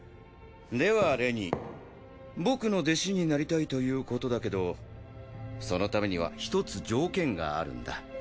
ではレニー僕の弟子になりたいということだけどそのためには１つ条件があるんだ。